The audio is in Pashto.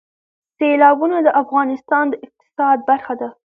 سیلابونه د افغانستان د اقتصاد برخه ده.